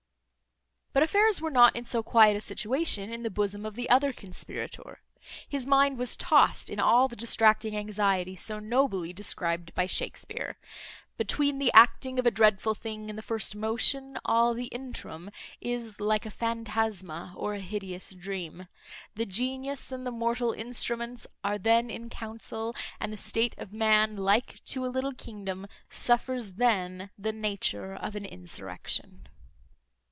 But affairs were not in so quiet a situation in the bosom of the other conspirator; his mind was tost in all the distracting anxiety so nobly described by Shakespear "Between the acting of a dreadful thing, And the first motion, all the interim is Like a phantasma, or a hideous dream; The genius and the mortal instruments Are then in council; and the state of man, Like to a little kingdom, suffers then The nature of an insurrection."